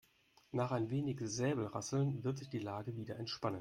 Nach ein wenig Säbelrasseln wird sich die Lage wieder entspannen.